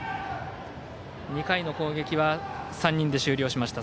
２回の攻撃は３人で終了しました。